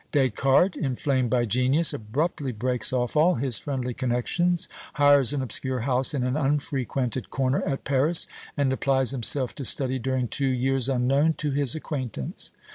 Descartes, inflamed by genius, abruptly breaks off all his friendly connexions, hires an obscure house in an unfrequented corner at Paris, and applies himself to study during two years unknown to his acquaintance.